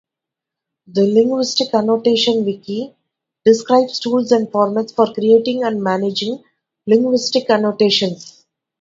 The Linguistic Annotation Wiki describes tools and formats for creating and managing linguistic annotations.